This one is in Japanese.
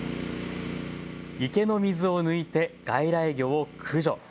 池の水を抜いて外来魚を駆除。